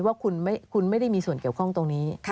ว่าคุณไม่ได้มีส่วนเกี่ยวข้องตรงนี้